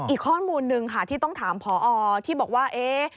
อีกข้อมูลนึงค่ะที่ต้องถามพอที่บอกว่าเอ๊ะ